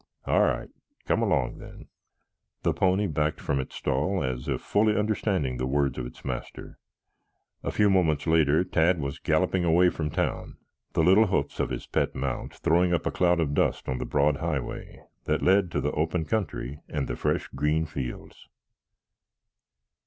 All right, come along then." The pony backed from its stall as if fully understanding the words of its master. A few moments later Tad was galloping away from town, the little hoofs of his pet mount throwing up a cloud of dust on the broad highway that led to the open country and the fresh green fields.